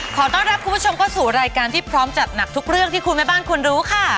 ขอต้อนรับคุณผู้ชมเข้าสู่รายการที่พร้อมจัดหนักทุกเรื่องที่คุณแม่บ้านคุณรู้ค่ะ